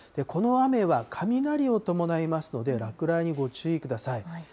この雨は雷を伴いますので、落雷にご注意ください。